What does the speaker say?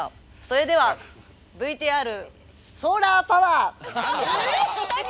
それではＶＴＲソーラーパワー！え！？